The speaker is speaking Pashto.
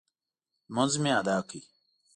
لمونځ مو اداء کړ.